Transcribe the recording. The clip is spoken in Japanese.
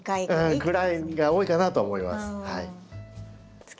ぐらいが多いかなと思います。